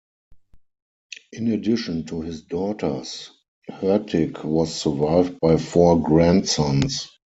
In addition to his daughters, Hurtig was survived by four grandsons.